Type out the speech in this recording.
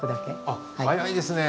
あ早いですね。